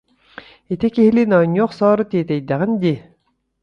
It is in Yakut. Ити киһилиин оонньуу охсоору тиэтэйдэҕиҥ дии